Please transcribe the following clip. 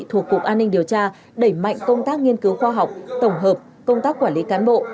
thuộc cục an ninh điều tra đẩy mạnh công tác nghiên cứu khoa học tổng hợp công tác quản lý cán bộ